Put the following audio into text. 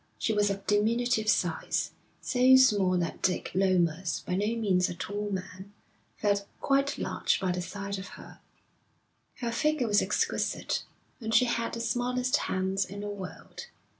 She was of diminutive size, so small that Dick Lomas, by no means a tall man, felt quite large by the side of her. Her figure was exquisite, and she had the smallest hands in the world.